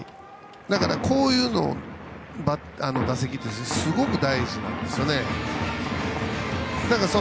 だから、打席でこういうのがすごく大事なんですよね。